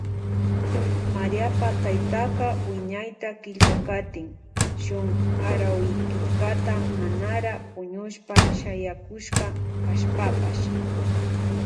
Maríapa taytaka wiñayta killkakatin shun arawikillkata manara puñushpa shayakushka kashpapash.